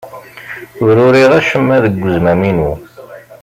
Ur uriɣ acemma deg uzmam-inu.